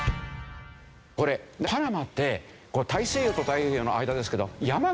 これパナマって大西洋と太平洋の間ですけど山があるんですよ。